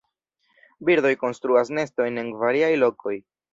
Birdoj konstruas nestojn en variaj lokoj.